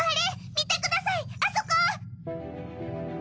見てくださいあそこ！